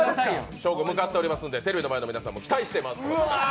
ショーゴ向かっておりますのでテレビの前の皆さんも期待していてください。